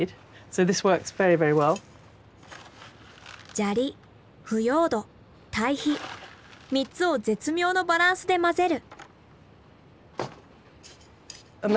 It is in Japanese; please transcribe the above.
砂利腐葉土堆肥３つを絶妙のバランスで混ぜる。